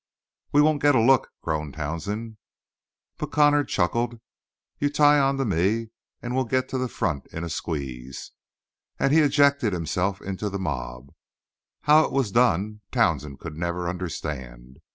"We won't get a look," groaned Townsend. But Connor chuckled: "You tie on to me and we'll get to the front in a squeeze." And he ejected himself into the mob. How it was done Townsend could never understand.